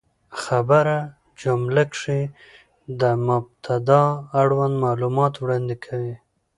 خبر په جمله کښي د مبتداء اړوند معلومات وړاندي کوي.